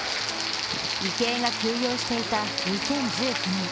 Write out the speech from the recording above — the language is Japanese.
池江が休養していた２０１９年。